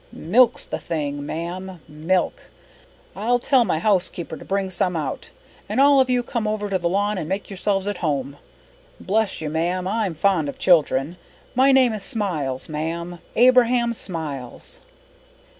"Milk's the thing, ma'am milk. I'll tell my housekeeper to bring some out. And all of you come over to the lawn and make yourselves at home. Bless you, ma'am, I'm fond of children. My name is Smiles, ma'am Abraham Smiles."